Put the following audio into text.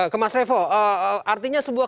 ke mas revo artinya sebuah